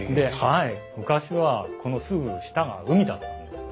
昔はこのすぐ下が海だったんです。